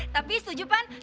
tapi setujuan tante ro